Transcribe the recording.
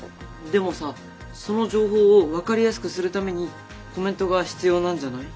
でもさその情報を分かりやすくするためにコメントが必要なんじゃない？